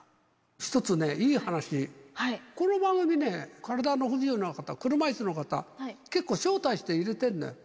１つね、いい話、この番組ね、体の不自由な方、車いすの方、結構招待して入れてるのよ。